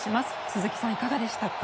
鈴木さん、いかがでしたか。